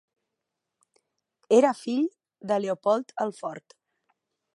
Era fill de Leopold el Fort.